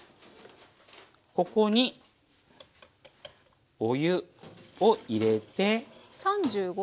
ここにお湯を入れて。